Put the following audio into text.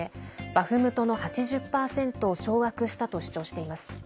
バフムトの８０％を掌握したと主張しています。